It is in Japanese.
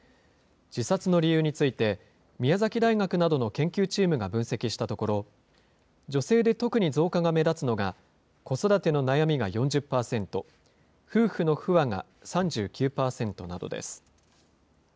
自殺の理由について、宮崎大学などの研究チームが分析したところ、女性で特に増加が目立つのが、子育ての悩みが４０％、夫婦の不和が３９％などです。